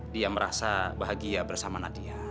dia merasa bahagia bersama nadia